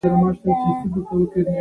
پر کار لاس واچوه چې ژر بشپړ شي.